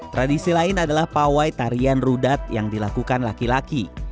tradisi lain adalah pawai tarian rudat yang dilakukan laki laki